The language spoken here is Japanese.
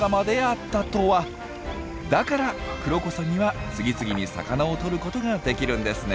だからクロコサギは次々に魚をとることができるんですね。